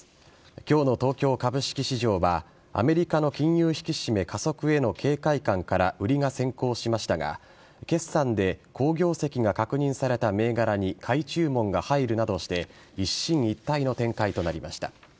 今日の東京株式市場はアメリカの金融引き締め加速への警戒感から売りが先行しましたが決算で好業績が確認された銘柄に買い注文が入るなどして一進一退の展開となりました。